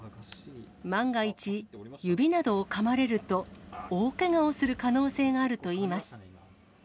万が一、指などをかまれると、大けがをする可能性があるといいます。